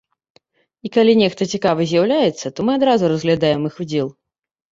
І, калі нехта цікавы з'яўляецца, то мы адразу разглядаем іх удзел.